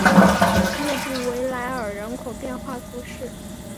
列布维莱尔人口变化图示